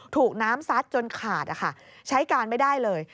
ถูกน้ำซัดจนขาดใช้การไม่ได้เลย